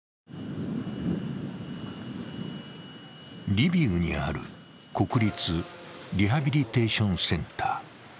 リビウにある国立リハビリテーションセンター。